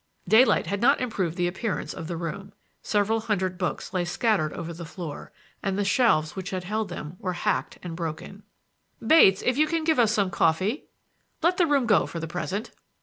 Daylight had not improved the appearance of the room. Several hundred books lay scattered over the floor, and the shelves which had held them were hacked and broken. "Bates, if you can give us some coffee—? Let the room go for the present."